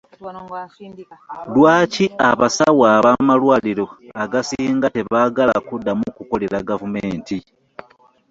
Lwaki abasawo b'amalwaliro agasinga tebagala kudamu kukolera gavumenti?